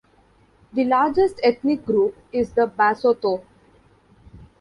The largest ethnic group is the Basotho.